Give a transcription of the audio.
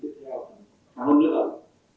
được khai thác đường bay